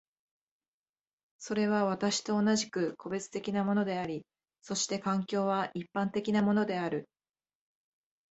それは私と同じく個別的なものであり、そして環境は一般的なものである。